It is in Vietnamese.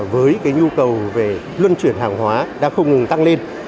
với cái nhu cầu về luân chuyển hàng hóa đang không tăng lên